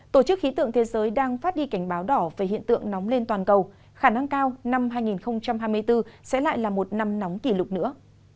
tổ chức khí tượng thế giới đang phát đi cảnh báo đỏ về hiện tượng nóng lên toàn cầu khả năng cao năm hai nghìn hai mươi bốn sẽ lại là một năm nóng kỷ lục nữa